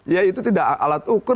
ya itu tidak alat ukur